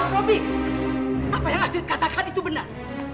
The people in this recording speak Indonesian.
robby apa yang asli katakan itu benar